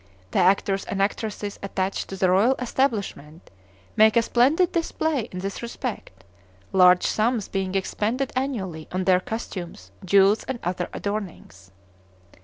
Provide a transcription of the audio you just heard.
The actors and actresses attached to the royal establishment make a splendid display in this respect, large sums being expended annually on their costumes, jewels, and other adornings.